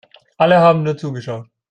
Alle haben nur zugeschaut.